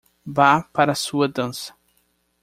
Vá para a sua dança!